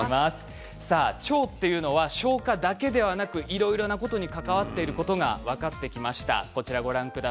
腸というのは消化だけではなくいろんなことに関わっていることが分かりました。